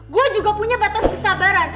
gue juga punya batas kesabaran